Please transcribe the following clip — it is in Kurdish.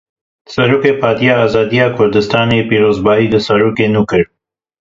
Serokê Partiya Azadiya Kurdistanê pîrozbahî li Serokê nû kir.